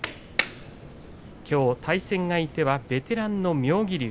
きょう対戦相手はベテランの妙義龍。